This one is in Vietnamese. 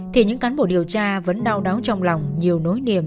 thì những cán bộ điều tra vẫn đau đáu trong lòng nhiều nỗi niềm